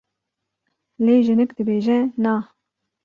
lê jinik dibêje Na!